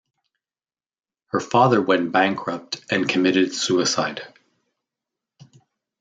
Her father went bankrupt and committed suicide.